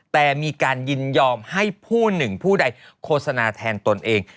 แต่มีการยินยอมให้ผู้หนึ่งผู้ใดโฆษณาแทนตนเอง